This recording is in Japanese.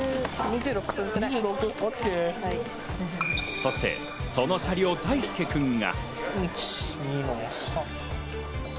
そして、そのシャリを大介君が。